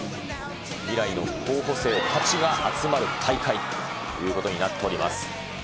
未来の候補生たちが集まる大会ということになっております。